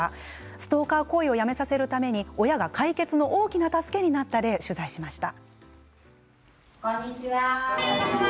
ストーカー行為をやめさせるために親が解決の大きな助けになった例を取材しました。